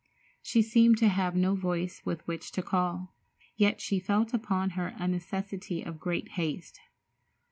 She seemed to have no voice with which to call, yet she felt upon her a necessity of great haste.